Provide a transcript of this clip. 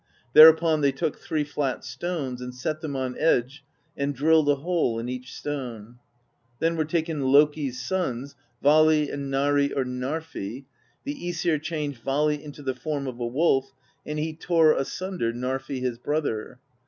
Thereupon they took three flat stones, and set them on edge and drilled a hole in each stone. Then were taken Loki's sons, Vali and Nari or Narfi; the iEsir changed Vali into the form of a wolf, and he tore asunder Narfi his brother.